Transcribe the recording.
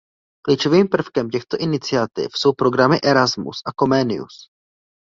Klíčovým prvkem těchto iniciativ jsou programy Erasmus a Comenius.